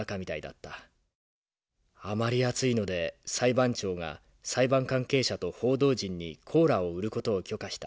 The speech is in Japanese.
あまり暑いので裁判長が裁判関係者と報道陣にコーラを売る事を許可した。